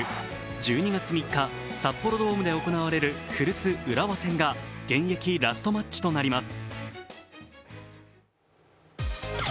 １２月３日、札幌ドームで行われる古巣・浦和戦が現役ラストマッチとなります。